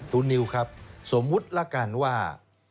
คุณนิวครับสมมุติละกันว่า